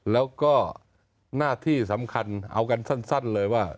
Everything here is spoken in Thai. แล้วก็หน้าที่สำคัญเอากันสั้นเลยว่า